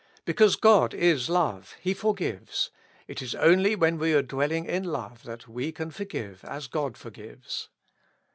Because God is love, He forgives ; it is only when we are dwelling in love that we can forgive as God forgives.